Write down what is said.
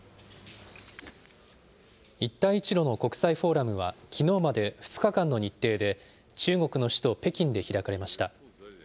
一帯一路の国際フォーラムは、きのうまで２日間の日程で、中国の首都北京で開かれました。